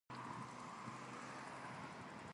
During the same period, Todd met Robert Sonkin.